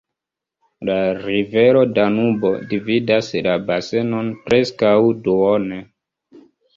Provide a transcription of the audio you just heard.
La rivero Danubo dividas la basenon preskaŭ duone.